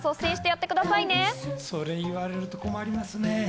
それ言われると困りますね。